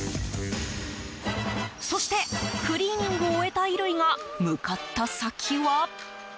そしてクリーニングを終えた衣類が向かった先は。